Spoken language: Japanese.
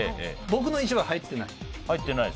僕の意思は入っていない。